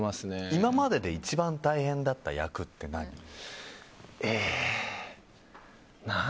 今までで一番大変だった役って何？